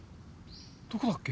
どこだっけ。